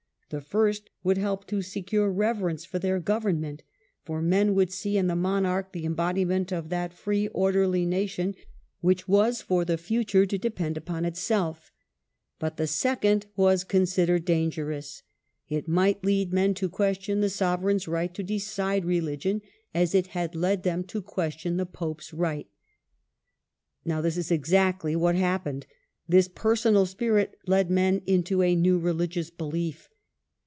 The first would help to secure reverence for their government, for men could see in the monarch the embodiment of that free orderly nation which was for TWO RESULTS OF THE REFORMATION. 3 the future to depend upon itself. But the second was considered dangerous. It might lead men to question the sovereign's right to decide .religion, as it had led them to question the pope's right. Now this is exactly what happened. This personal spirit led men into a new religious belief.